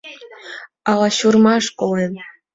Ала чурмаш колен.